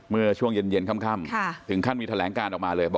เมื่อช่วงเย็นค่ำถึงขั้นมีแถลงการออกมาเลย